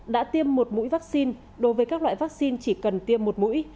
đã tiêm một mũi vaccine đối với các loại vaccine chỉ cần tiêm một mũi